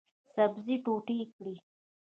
سبزي ټوټې کړئ